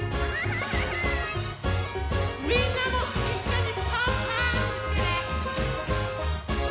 みんなもいっしょにパンパンってしてね！